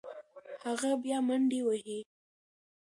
هغه به بیا منډې وهي.